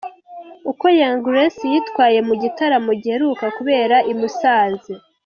Uko Young Grace yitwaye mu gitaramo giheruka kubera i Musanze.